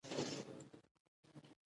څو شیبې غواړي